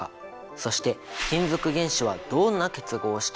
そして金属原子はどんな結合をしているのか？